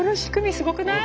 すごくない？